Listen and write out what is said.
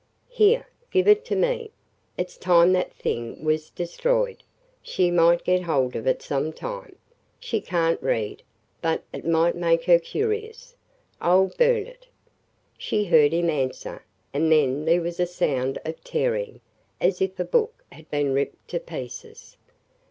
"Here! Give it to me. It 's time that thing was destroyed! She might get hold of it some time. She can't read, but it might make her curious. I 'll burn it!" She heard him answer, and then there was a sound of tearing, as if a book had been ripped to pieces.